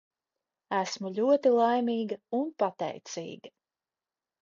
Esmu ļoti laimīga un pateicīga.